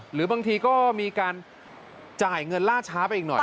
หรือบางทีก็มีการจ่ายเงินล่าช้าไปอีกหน่อย